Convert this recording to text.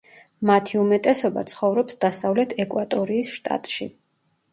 მათი უმეტესობა ცხოვრობს დასავლეთ ეკვატორიის შტატში.